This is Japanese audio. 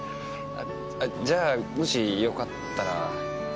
じゃあもしよかったら。